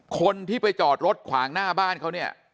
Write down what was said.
คนที่ไปจอดรถขวางหน้าบ้านเขาเนี่ย